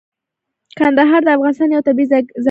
کندهار د افغانستان یوه طبیعي ځانګړتیا ده.